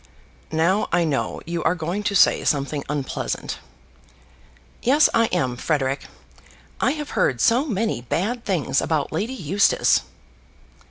"Now I know you are going to say something unpleasant." "Yes, I am, Frederic. I have heard so many bad things about Lady Eustace!"